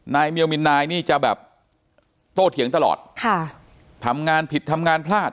เมียลมินนายนี่จะแบบโตเถียงตลอดค่ะทำงานผิดทำงานพลาด